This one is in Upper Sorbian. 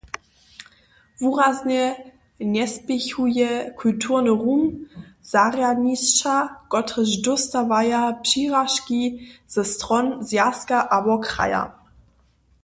Wuraznje njespěchuje kulturny rum zarjadnišća, kotrež dóstawaja přiražki ze stron Zwjazka abo kraja.